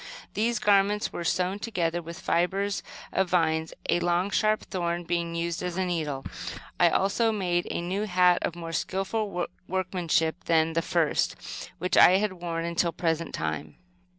These garments were sewn together with fibres of vines, a long, sharp thorn being used as a needle. I also made a new hat, of more skillful workmanship than the first, which I had worn until the present time.